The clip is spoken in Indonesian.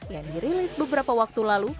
yang dirilis beberapa waktu lalu